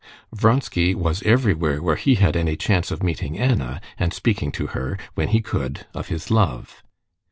Vronsky was everywhere where he had any chance of meeting Anna, and speaking to her, when he could, of his love.